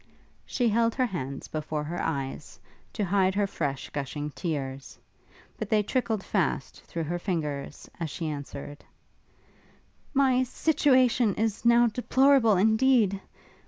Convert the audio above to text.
She held her hands before her eyes, to hide her fresh gushing tears, but they trickled fast through her fingers, as she answered, 'My situation is now deplorable indeed!